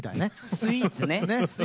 スイーツね。